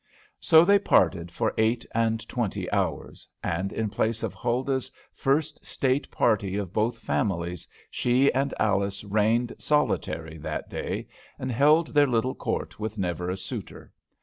So they parted for eight and twenty hours; and in place of Huldah's first state party of both families, she and Alice reigned solitary that day, and held their little court with never a suitor.